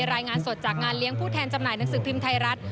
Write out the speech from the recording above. รายงานสดจากงานเลี้ยงผู้แทนจำหน่ายหนังสือพิมพ์ไทยรัฐ